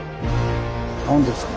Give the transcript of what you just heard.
何ですか？